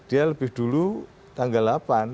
itu dulu tanggal delapan